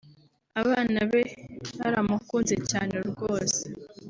abana be baramukunze cyane rwose